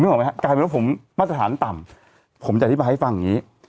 ออกไหมฮะกลายเป็นว่าผมมาตรฐานต่ำผมจะอธิบายให้ฟังอย่างนี้